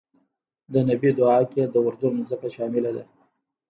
د نبی دعا کې د اردن ځمکه شامله ده.